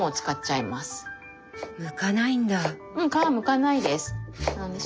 うん皮むかないです。